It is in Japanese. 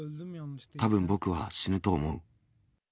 たぶん僕は死ぬと思う。